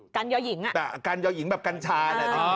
กันเยาหยิงแบบกันชา